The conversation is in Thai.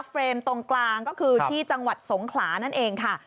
เฟรมตรงกลางก็คือที่จังหวัดสงขลานั่นเองค่ะ